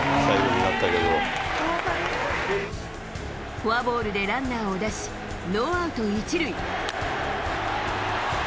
フォアボールでランナーを出し、ノーアウト１塁。